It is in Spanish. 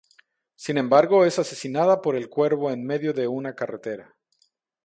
Sin embargo es asesinada por el cuervo en medio de una carretera.